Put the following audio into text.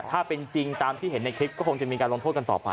ถ้าเป็นจริงตามที่เห็นในคลิปก็คงจะมีการลงโทษกันต่อไป